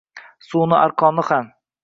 Suvni, arqonni ham